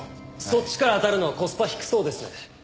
そっちから当たるのはコスパ低そうですね。